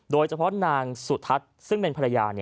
โดยเฉพาะนางสุทัศน์ซึ่งเป็นภรรยา